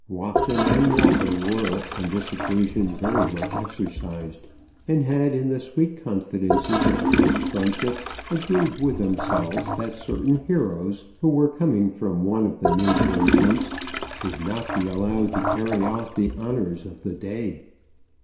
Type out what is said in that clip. Watson and Walker were on this occasion very much exercised, and had in the sweet confidences of close friendship agreed with themselves that certain heroes who were coming from one of the neighbouring hunts should not be allowed to carry off the honours of the day.